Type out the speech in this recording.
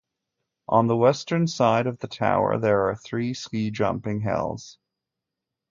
On the western side of the tower there are three ski jumping hills.